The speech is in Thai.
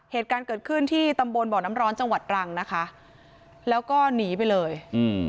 เหตุการณ์เกิดขึ้นที่ตำบลบ่อน้ำร้อนจังหวัดรังนะคะแล้วก็หนีไปเลยอืม